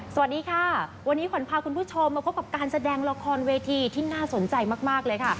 สวัสดีค่ะวันนี้ขวัญพาคุณผู้ชมมาพบกับการแสดงละครเวทีที่น่าสนใจมากเลยค่ะ